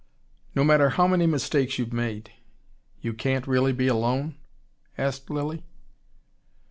"No matter how many mistakes you've made you can't really be alone ?" asked Lilly.